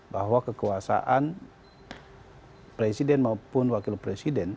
bahwa kekuasaan presiden maupun wakil presiden